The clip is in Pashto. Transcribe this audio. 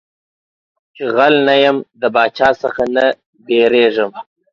چي غل نه يم د باچا څه نه بيرېږم.